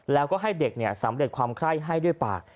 แล้วก็ให้เด็กสำเร็จความไคร้ให้ด้วยปาก